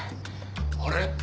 「あれ？